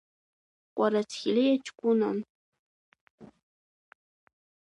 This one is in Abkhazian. Кәарацхелиа ҷкәынан.